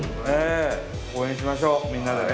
応援しましょうみんなでね。